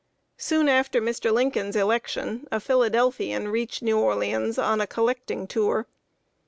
Soon after Mr. Lincoln's election, a Philadelphian reached New Orleans, on a collecting tour.